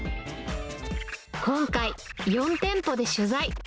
今回、４店舗で取材。